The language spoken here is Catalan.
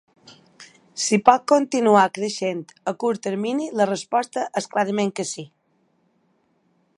Si pot continuar creixent a curt termini, la resposta és clarament que sí.